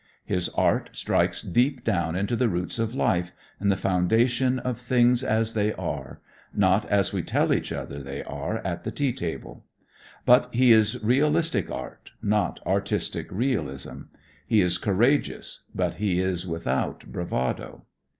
His art strikes deep down into the roots of life and the foundation of Things as They Are not as we tell each other they are at the tea table. But he is realistic art, not artistic realism. He is courageous, but he is without bravado.